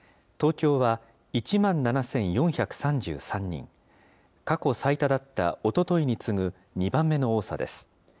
東京は１万７４３３人、過去最多だったおとといに次ぐ、２番目の多さです。